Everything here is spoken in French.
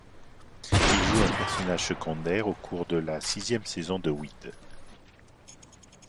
Il joue un personnage secondaire au cours de la sixième saison de Weeds.